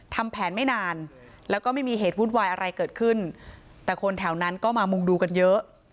ทำแผนไม่นานแล้วก็ไม่มีเหตุวุ่นวายอะไรเกิดขึ้นแต่คนแถวนั้นก็มามุงดูกันเยอะ